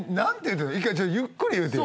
１回ゆっくり言うてや。